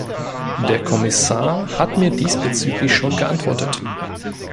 Der Kommissar hat mir diesbezüglich schon geantwortet.